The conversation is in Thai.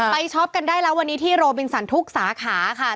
ช็อปกันได้แล้ววันนี้ที่โรบินสันทุกสาขาค่ะ